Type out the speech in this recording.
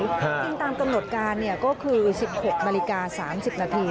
จริงตามกำหนดการก็คือ๑๖นาฬิกา๓๐นาที